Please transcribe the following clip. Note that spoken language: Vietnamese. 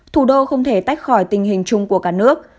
thủ đô không thể tách khỏi tình hình chung của cả nước